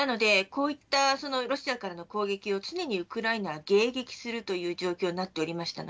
こういったロシアのロシアからの攻撃をすでにウクライナは迎撃するという状況になっていました。